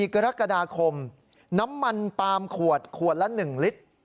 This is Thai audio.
๔กรกฎาคมน้ำมันปาล์มขวดขวดละ๑ลิตร